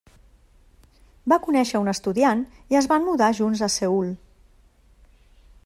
Va conèixer a un estudiant i es van mudar junts a Seül.